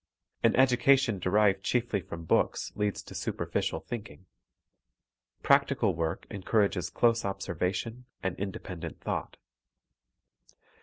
An education derived chiefly from books leads to superficial thinking. Practical work encourages close observation and independent thought.